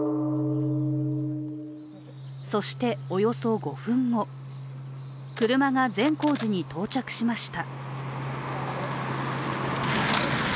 そして、およそ５分後、車が善光寺に到着しました。